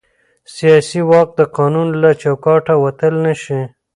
سیاسي واک د قانون له چوکاټه وتل نه شي